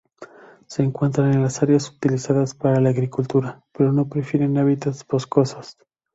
Se encuentran en las áreas utilizadas para la agricultura, pero prefieren hábitats boscosos.